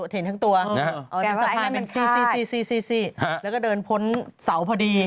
เห็นทั้งตัวเห็นสภาพเป็นแล้วก็เดินพ้นเสาพอดี